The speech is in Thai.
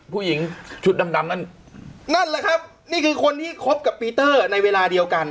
ผู้หญิงชุดดำดำนั่นนั่นแหละครับนี่คือคนที่คบกับปีเตอร์ในเวลาเดียวกัน